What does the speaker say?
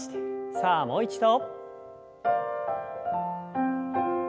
さあもう一度。